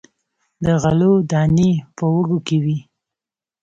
د غلو دانې په وږو کې وي.